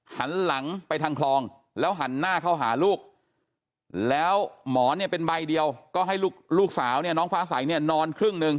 หันหลังไปทางคลองแล้วหันหน้าเข้าหาลูกแล้วหมอนเนี่ยเป็นใบเดียวก็ให้ลูกสาวเนี่ยน้องฟ้าใสเนี่ยนอนครึ่งหนึ่ง